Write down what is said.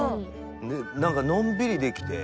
なんかのんびりできて。